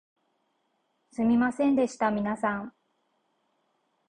すみませんでした皆さん